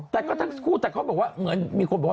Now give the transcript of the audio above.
แต่ก็ทั้งคู่แต่เขาบอกว่าเหมือนมีคนบอกว่า